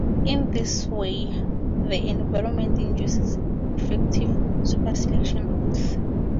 In this way the environment induces effective superselection rules.